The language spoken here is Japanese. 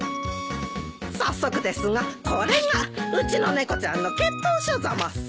早速ですがこれがうちの猫ちゃんの血統書ざます。